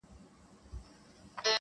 ګوندي دا خرابه خونه مو ګلشن شي-